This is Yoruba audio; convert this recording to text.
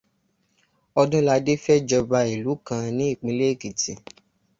Ọdúnladé fẹ́ j'ọba ìlú kan ní ìpínlẹ̀ Èkìtì.